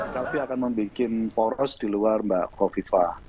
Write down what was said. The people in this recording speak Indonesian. tapi akan membuat poros di luar mbak kofifah